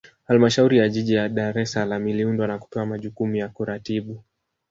Halmashauri ya Jiji la Dar es Salaam iliundwa na kupewa majukumu ya kuratibu